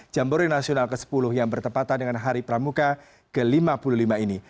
jambore nasional ke sepuluh yang bertepatan dengan hari pramuka ke lima puluh lima ini